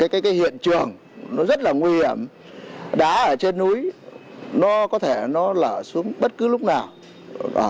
cái hiện trường nó rất là nguy hiểm đá ở trên núi nó có thể nó lở xuống bất cứ lúc nào